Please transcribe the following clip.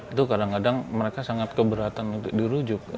itu kadang kadang mereka sangat keberatan untuk dirujuk